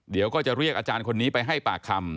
เดี๋ยวก็จะเรียกอาจารย์คนนี้ไปให้ปากคำ